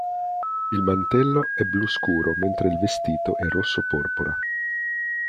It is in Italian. Il mantello è blu scuro mentre il vestito è rosso porpora.